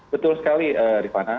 betul sekali rifana